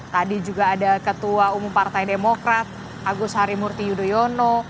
tadi juga ada ketua umum partai demokrat agus harimurti yudhoyono